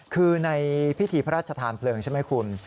คือในพิธีพระราชทานเพลิงใช่ไหมคุณ